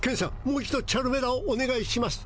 もう一度チャルメラをおねがいします。